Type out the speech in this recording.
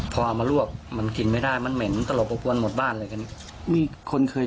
พอเอามะรวกมันกินไม่ได้มันเหม็นเตาะปะปวนหมดบ้านเลย